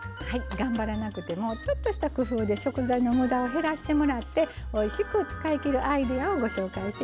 頑張らなくてもちょっとした工夫で食材のムダを減らしてもらっておいしく使いきるアイデアをご紹介してきました。